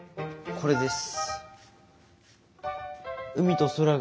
これです。